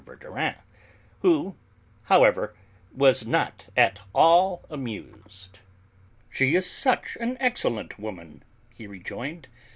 Verdurin, who, however, was not at all amused. "She is such an excellent woman!" he rejoined.